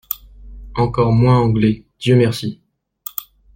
Encore moins anglais, dieu merci !